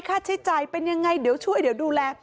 ค่าใช้ใจเป็นอย่างไรเดี๋ยวช่วยเดี๋ยวดูแล